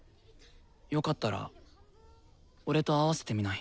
よかったら俺と合わせてみない？